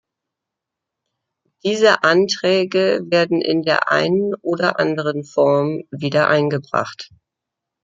Diese Anträge werden in der einen oder anderen Form wieder eingebracht.